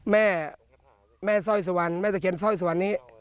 แม่สร้อยสวรรค์แม่สะเข็นสร้อยสวรรค์นี้